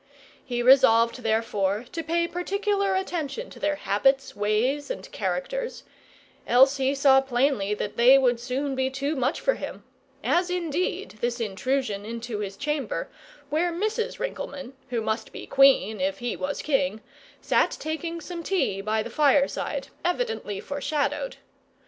He resolved, therefore, to pay particular attention to their habits, ways, and characters; else he saw plainly that they would soon be too much for him; as indeed this intrusion into his chamber, where Mrs. Rinkelmann, who must be queen if he was king, sat taking some tea by the fireside, evidently foreshadowed.